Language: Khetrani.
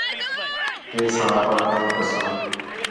ہے ساں اپݨاں کَم کساں